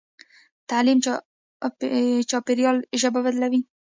تعلیم چاپېریال ژبه بدلوي.